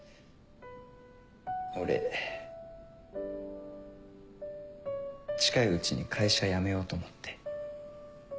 俺近いうちに会社辞めようと思って。